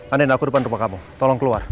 andien aku depan rumah kamu tolong keluar